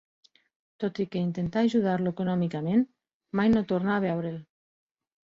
Tot i que intentà ajudar-lo econòmicament, mai no tornà a veure'l.